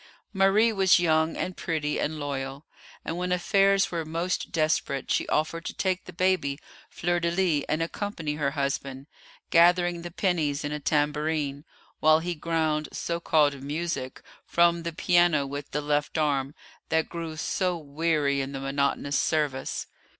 Marie was young and pretty and loyal, and when affairs were most desperate she offered to take the baby Fleur de lis and accompany her husband, gathering the pennies in a tambourine, while he ground so called music from the piano with the left arm, that grew so weary in the monotonous service.